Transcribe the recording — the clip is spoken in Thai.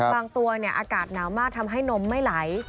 บางตัวอากาศหนาวมากทำให้นมไม่ไหล